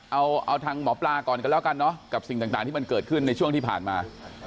เอาทางหมอปลาก่อนกันแล้วกันเนอะกับสิ่งต่างที่มันเกิดขึ้นในช่วงที่ผ่านมา